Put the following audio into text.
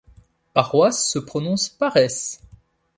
Paroisse se prononce paresse.